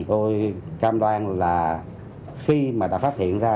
tôi cam đoan là khi mà đã phát hiện ra